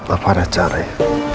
apa ada caranya